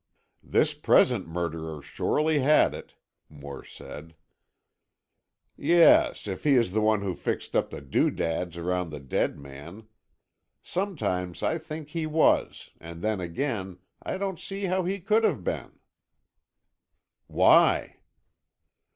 "This present murderer surely had it," Moore said. "Yes, if he is the one who fixed up the doodads around the dead man. Sometimes I think he was, and then again, I don't see how he could have been." "Why?"